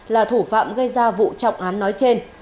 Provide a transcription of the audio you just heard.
là thủ phạm gây ra vụ trọng án nói trên